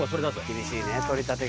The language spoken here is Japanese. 厳しいね取り立てが。